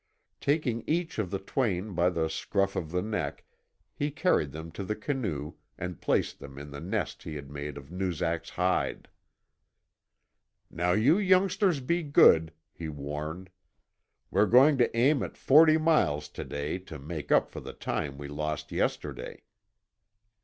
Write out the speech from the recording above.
Taking each of the twain by the scruff of the neck he carried them to the canoe and placed them in the nest he had made of Noozak's hide. "Now you youngsters be good," he warned. "We're going to aim at forty miles to day to make up for the time we lost yesterday."